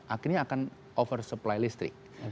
akhirnya akan over supply listrik